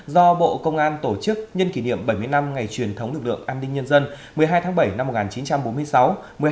do bộ công an tổ chức nhân kỷ niệm bảy mươi năm ngày truyền thống lực lượng an ninh nhân dân một mươi hai tháng bảy năm một nghìn chín trăm bốn mươi sáu